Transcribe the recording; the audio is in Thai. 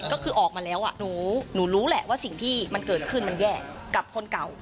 ก็คือออกมาแล้วหนูรู้แหละว่าสิ่งที่มันเกิดขึ้นมันแย่กับคนเก่า